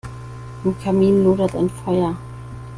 Im Kamin lodert ein Feuer.